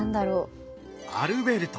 アルベルト